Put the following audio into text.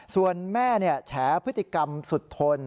ส่วนแม่แฉพฤติกรรมสุดทน